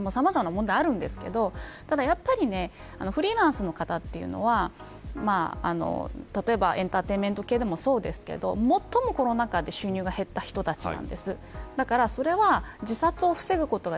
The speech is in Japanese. デジタル化もされてなかったさまざまな問題があるんですがやっぱりフリーランスの方というのは例えば、エンターテインメント系でもそうですが最もコロナ禍で収入が減った方たちなんです。